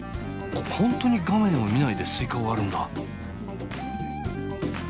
本当に画面を見ないでスイカを割るんだ。